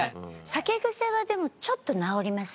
酒癖はでもちょっと直ります。